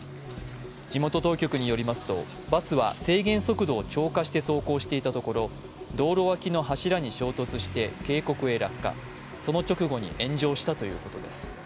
地元当局によりますとバスは制限速度を超過して走行していたところ道路脇の柱に衝突して渓谷へ落下、その直後に炎上したということです。